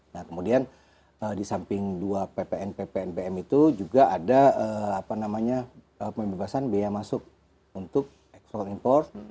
nah kemudian di samping dua ppn ppn pn itu juga ada apa namanya pembebasan biaya masuk untuk export import